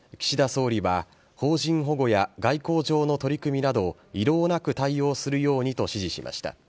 岸田総理は、邦人保護や外交上の取り組みなど、遺漏なく対応するようにと指示しました。